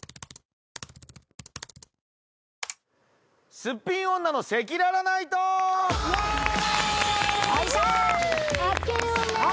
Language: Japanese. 『すっぴん女の赤裸々ナイト』イェーイ。